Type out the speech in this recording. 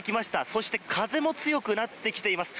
そして風も強くなってきています。